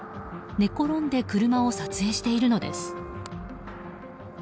寝転んで車を撮影しているのです。